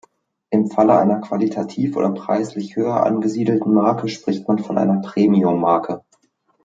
Im Falle einer qualitativ oder preislich höher angesiedelten Marke spricht man von einer Premiummarke.